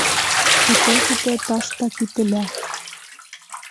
Көтә-көтә таш та кителә.